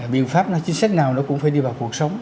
biện pháp nó chính sách nào nó cũng phải đi vào cuộc sống